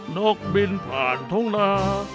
นกบินผ่านท้องนา